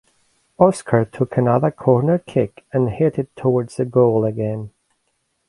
Oscar took another corner kick and hit it towards the goal again.